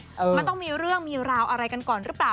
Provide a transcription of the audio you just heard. มันต้องมีเรื่องมีราวอะไรกันก่อนหรือเปล่า